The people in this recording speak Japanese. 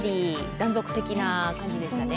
断続的な感じでしたね。